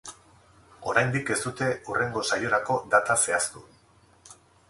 Oraindik ez dute hurrengo saiorako data zehaztu.